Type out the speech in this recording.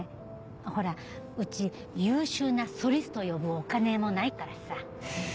ほらうち優秀なソリスト呼ぶお金もないからさ。